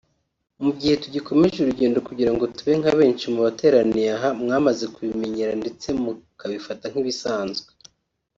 Mu gihe tugikomeje urugendo kugira ngo tube nka benshi mu nbateraniye aha mwamaze kubimenyera ndetse mukabifata nk’ibisanzwe